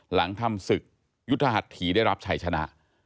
หลังทำศึกยุทธหัสถีได้รับชัยชนะ